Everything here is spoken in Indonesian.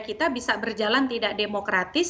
kita bisa berjalan tidak demokratis